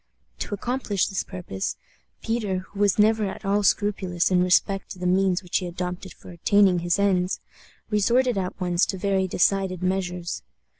To accomplish this purpose, Peter, who was never at all scrupulous in respect to the means which he adopted for attaining his ends, resorted at once to very decided measures.